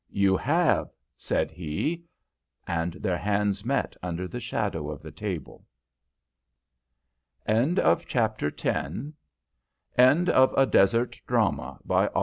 "You have," said he, and their hands met under the shadow of the table. THE END. End of the Project Gutenberg EBook of A Desert Drama, by A.